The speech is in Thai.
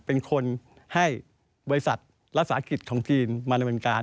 เป็นคนให้บริษัทและศาสตร์อเมนต์จีนมาดำนังการ